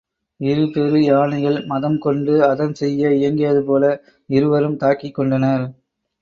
இரு பெரு யானைகள் மதம் கொண்டு அதம் செய்ய இயங்கியது போல இருவரும் தாக்கிக் கொண்ட னர்.